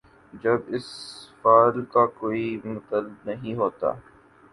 جب اس فعل کا کوئی مطلب نہیں ہوتا۔